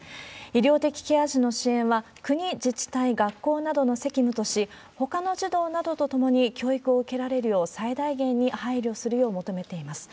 医療的ケア児の支援は国、自治体、学校などの責務とし、ほかの児童などと共に教育を受けられるよう、最大限に配慮するよう求めています。